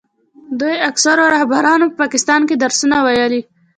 دوی اکثرو رهبرانو په پاکستان کې درسونه ویلي.